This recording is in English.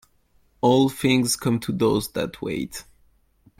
All things come to those that wait.